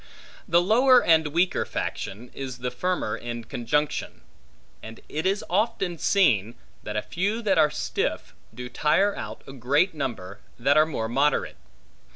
The lower and weaker faction, is the firmer in conjunction; and it is often seen, that a few that are stiff, do tire out a greater number, that are more moderate.